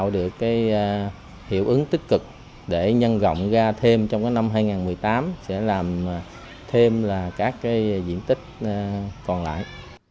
được cái hiệu ứng tích cực để nhân rộng ra thêm trong cái năm hai nghìn một mươi tám sẽ làm thêm là các cái diện tích còn lại